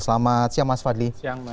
selamat siang mas fadli